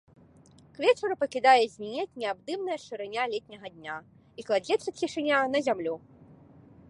К вечару пакідае звінець неабдымная шырыня летняга дня, і кладзецца цішыня на зямлю.